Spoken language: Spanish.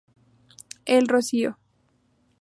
El Rocío.